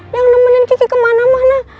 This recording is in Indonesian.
yang nemenin kiki kemana mana